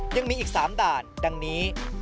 ยังมีอีก๓ด่านดังนี้